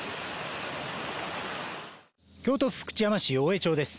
京都府福知山市大江町です。